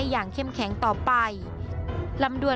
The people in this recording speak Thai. หรือมีคนทำร้ายแต่สิ่งที่น้องต้องได้รับตอนนี้คือการรักษารอยแผลที่เกิดขึ้น